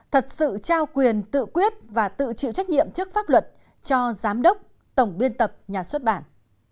thật sự trao quyền tự quyết và tự chịu trách nhiệm trước pháp luật cho giám đốc tổng biên tập nhà xuất bản